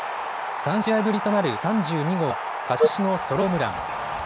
３試合ぶりとなる３２号は勝ち越しのソロホームラン。